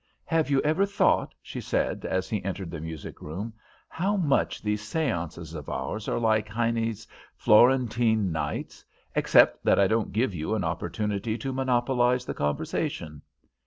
"Have you ever thought," she said, as he entered the music room, "how much these séances of ours are like Heine's 'Florentine Nights,' except that I don't give you an opportunity to monopolize the conversation?"